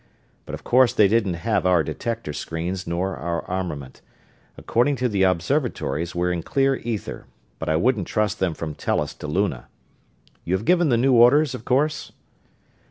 But of course they didn't have our detector screens nor our armament. According to the observatories we're in clear ether, but I wouldn't trust them from Tellus to Luna. You have given the new orders, of course?"